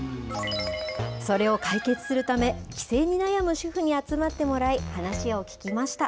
それを解決するため、帰省に悩む主婦に集まってもらい、話を聞きました。